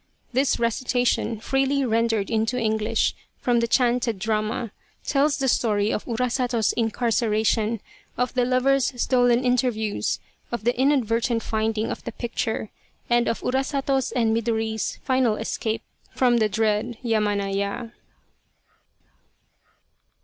This recitation, freely rendered into English from the chanted drama, tells the story of Urasato's incarceration, of the lover's stolen interviews, of the inadvertent finding of the picture, and of Urasato's and Midori's final escape from the dread Yamana Ya.